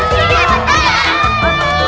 kita juga gak tau pos siti